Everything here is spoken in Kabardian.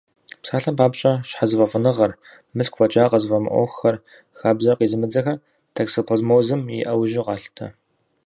Псалъэм папщӏэ, щхьэзыфӏэфӏыныгъэр, мылъку фӏэкӏа къызыфӏэмыӏуэхухэр, хабзэр къизымыдзэхэр токсоплазмозым и ӏэужьу къалъытэ.